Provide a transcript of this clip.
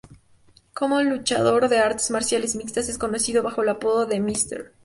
Como luchador de artes marciales mixtas es conocido bajo el apodo de "Mr.